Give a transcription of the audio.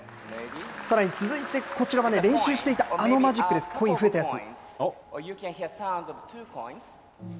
さらに続いて、こちらはね、練習していたあのマジックです、コイン増えたやつ。